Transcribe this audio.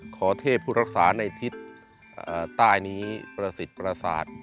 ขอเทพผู้รักษาในทิศใต้นี้ประสิทธิ์ประสาท